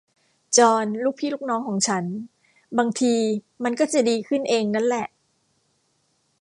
จอห์น ลูกพี่ลูกน้องของฉัน บางที มันก็จะดีขึ้นเองนั้นแหละ